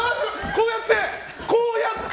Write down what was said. こうやって？